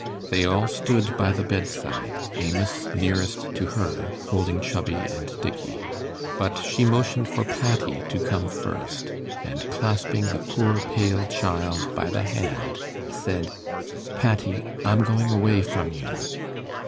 They all stood by the bedside Amos nearest to her, holding Chubby and Dickey. But she motioned for Patty to come first, and clasping the poor pale child by the hand, said, 'Patty, I'm going away from you.